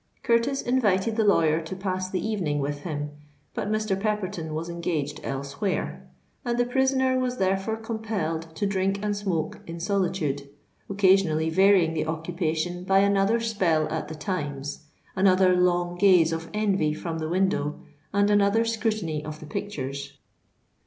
Curtis invited the lawyer to pass the evening with him: but Mr. Pepperton was engaged elsewhere; and the prisoner was therefore compelled to drink and smoke in solitude, occasionally varying the occupation by another spell at the Times—another long gaze of envy from the window—and another scrutiny of the pictures.